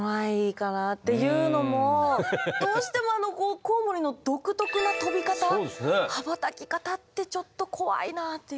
っていうのもどうしてもコウモリの独特な飛び方羽ばたき方ってちょっと怖いなっていう。